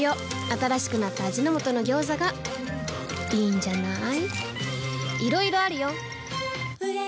新しくなった味の素の「ギョーザ」がいいんじゃない？